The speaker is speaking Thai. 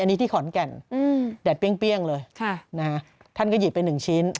อันนี้ที่ขอนแก่นอืมแต่เปรี้ยงเปรี้ยงเลยค่ะนะฮะท่านก็หยิบเป็นหนึ่งชิ้น